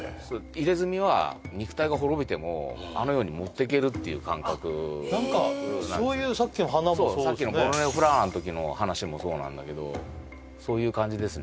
入れ墨は肉体が滅びてもあの世に持ってけるっていう感覚何かそういうさっきのボルネオフラワーの時の話もそうなんだけどそういう感じですね